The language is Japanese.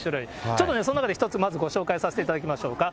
ちょっとね、その中で一つまずご紹介させていただきましょうか。